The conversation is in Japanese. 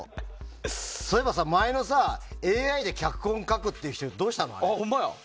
そういえば前のＡＩで脚本書くって人どうしたの？